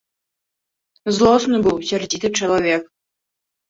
Злосны быў, сярдзіты чалавек.